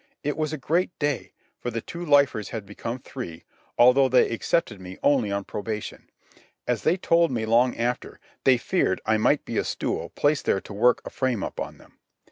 It was a great day, for the two lifers had become three, although they accepted me only on probation. As they told me long after, they feared I might be a stool placed there to work a frame up on them.